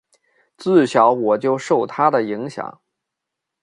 自小我就受他的影响